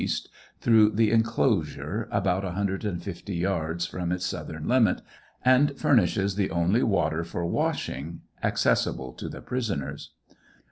cast through the enclosure about 150 yards from its southern limit, and furnishes the only water for washing accessible to the prisoners.